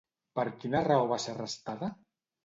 Per quina raó va ser arrestada?